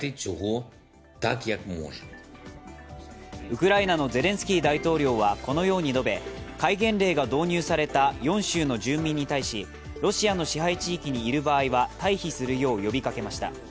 ウクライナのゼレンスキー大統領はこのように述べ戒厳令が導入された４州の住民に対しロシアの支配地域にいる場合は退避するよう呼びかけました。